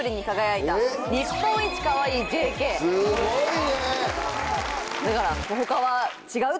すごいね！